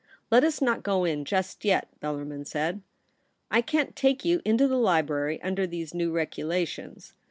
' Let us not go in just yet,' Bellarmin said; ■" I can't take you Into the library under these new regulations.